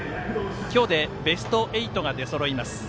今日でベスト８が出そろいます。